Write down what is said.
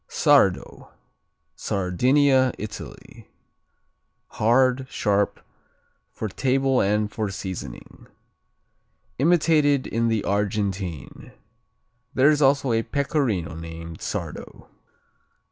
Sardo Sardinia, Italy Hard; sharp; for table and for seasoning. Imitated in the Argentine. There is also a Pecorino named Sardo.